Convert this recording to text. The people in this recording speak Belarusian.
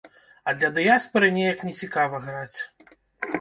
А для дыяспары неяк нецікава граць.